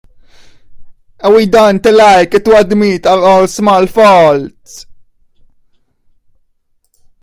We don't like to admit our small faults.